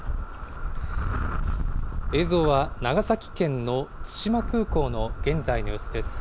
映像は、長崎県の対馬空港の現在の様子です。